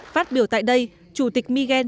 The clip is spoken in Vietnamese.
phát biểu tại đây chủ tịch miguel